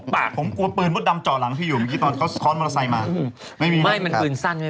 ผมกลัวปืนหมุดดำเจาะหลังตัวพี่อยู่ตอนเขามอเตอร์ไซน์มา